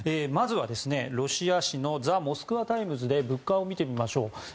まずはロシア紙のザ・モスクワ・タイムズで物価を見てみましょう。